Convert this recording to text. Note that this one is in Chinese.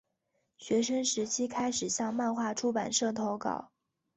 学生时期开始向漫画出版社投稿。